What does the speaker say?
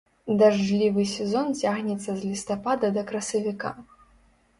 Дажджлівы сезон цягнецца з лістапада да красавіка.